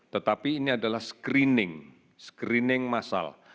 tetapi ini adalah screening screening masal